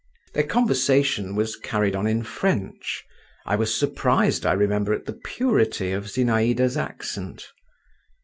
Their conversation was carried on in French; I was surprised, I remember, at the purity of Zinaïda's accent.